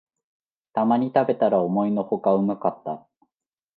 たまに食べたら思いのほかうまかった